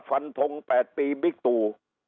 ฟันทง๘ปีบิ๊กตู